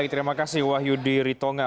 terima kasih wahyudi ritonga